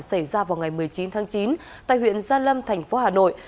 xảy ra vào ngày một mươi chín tháng chín tại huyện gia lâm thành phố hà nội